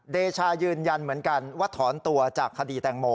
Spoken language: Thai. เดชายืนยันเหมือนกันว่าถอนตัวจากคดีแตงโม